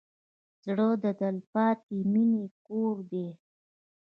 زړه د تلپاتې مینې کور دی.